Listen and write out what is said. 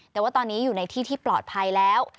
แต่ว่าตอนนี้อยู่ในที่ที่ปลอดภัยแล้ว